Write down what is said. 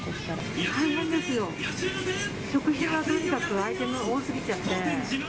食品はとにかく、アイテムが多すぎちゃって。